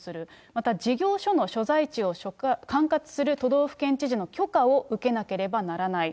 また事業所の所在地を管轄する都道府県知事の許可を受けなければならない。